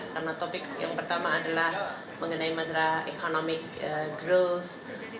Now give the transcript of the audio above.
karena topik yang pertama adalah mengenai masalah economic growth